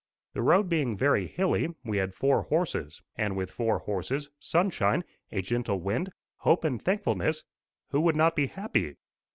The road being very hilly, we had four horses; and with four horses, sunshine, a gentle wind, hope and thankfulness, who would not be happy?